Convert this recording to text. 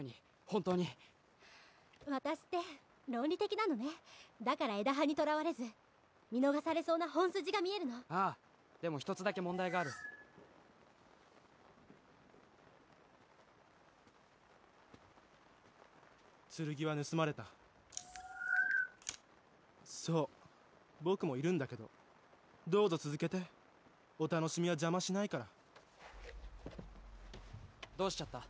本当に私って論理的なのねだから枝葉にとらわれず見逃されそうな本筋が見えるのああでも１つだけ問題がある剣は盗まれたそう僕もいるんだけどどうぞ続けてお楽しみは邪魔しないからどうしちゃった？